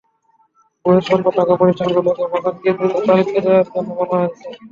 বইয়ের সংকট থাকা প্রতিষ্ঠানগুলোর প্রধানকে দ্রুত তালিকা দেওয়ার জন্য বলা হয়েছে।